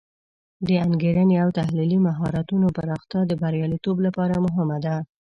د انګیرنې او تحلیلي مهارتونو پراختیا د بریالیتوب لپاره مهمه ده.